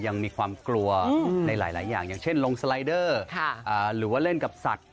ดูแบบว่าไม่กลัวบางคนที่โล่งเลยนะ